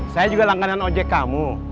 saya juga langganan ojek kamu